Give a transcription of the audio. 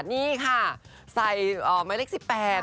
นี่ค่ะใส่ไม้เลข๑๘